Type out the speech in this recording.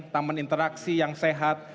taman interaksi yang sehat